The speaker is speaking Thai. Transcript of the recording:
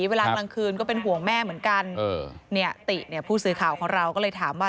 เวลากลางคืนก็เป็นห่วงแม่เหมือนกันเนี่ยติเนี่ยผู้สื่อข่าวของเราก็เลยถามว่า